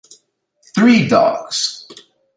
Three dogs.